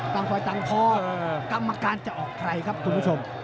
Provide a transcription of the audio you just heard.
ฝ่ายต่างพอกรรมการจะออกใครครับคุณผู้ชม